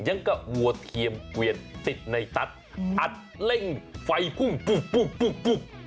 ยังก็วัวเทียมเกวียนติดในตัดเล่งไฟพุ่งปุ๊บ